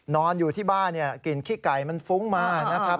นอนอยู่ที่บ้านเนี่ยกลิ่นขี้ไก่มันฟุ้งมานะครับ